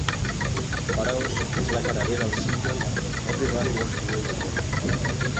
"Pharaohs" és la cara B del single "Everybody Wants to Rule the World".